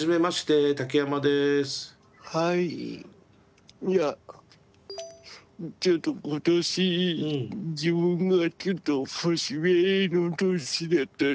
いやちょっと今年自分がちょっと節目の年に当たって。